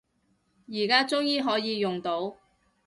而家終於可以用到